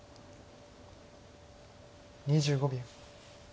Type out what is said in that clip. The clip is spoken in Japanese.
２５秒。